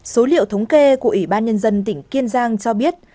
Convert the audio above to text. số liệu thống kê của ủy ban nhân dân tỉnh kiên giang cho biết